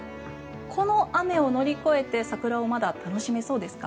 この雨を乗り越えて桜をまだ楽しめそうですか？